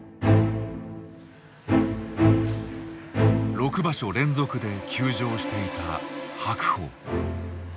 ６場所連続で休場していた白鵬。